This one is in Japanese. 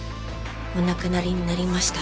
お亡くなりになりました。